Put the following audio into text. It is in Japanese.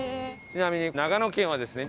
ちなみに。